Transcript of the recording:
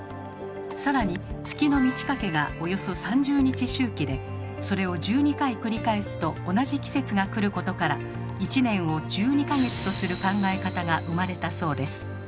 更に月の満ち欠けがおよそ３０日周期でそれを１２回繰り返すと同じ季節が来ることから１年を１２か月とする考え方が生まれたそうです。